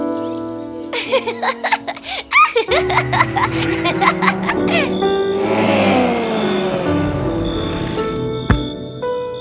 mereka berdua sangat bahagia